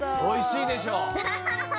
おいしいでしょ。